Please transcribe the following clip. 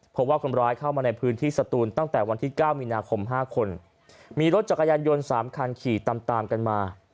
เพราะว่าคนร้ายเข้ามาในพื้นที่สตูนตั้งแต่วันที่๙มีนาคม๕คนมีรถจักรยานยนต์๓คันขี่ตามตามกันมา